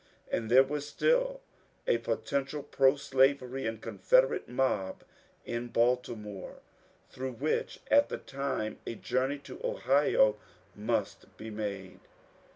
And there was still a potential proslavery and Confederate mob in Baltimore, through which at the time a journey to Ohio must be made.